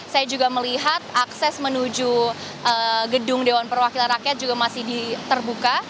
saya juga melihat akses menuju gedung dewan perwakilan rakyat juga masih terbuka